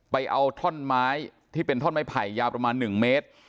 ไปเอาท่อนไม้ที่เป็นท่อนไม้ไผ่ยาวประมาณ๑เมตร